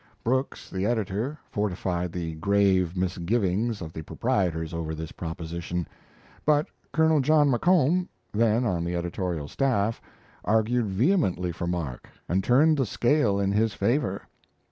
Brooks, the editor, fortified the grave misgivings of the proprietors over this proposition; but Colonel John McComb (then on the editorial staff) argued vehemently for Mark, and turned the scale in his favour.